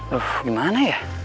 duh gimana ya